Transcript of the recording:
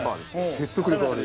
説得力ある。